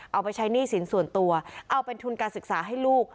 เอาไปใช้หนี้สินส่วนตัวเอาเป็นทุนการศึกษาให้ลูก